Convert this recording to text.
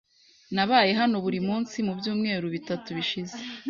Nabaye hano buri munsi mubyumweru bitatu bishize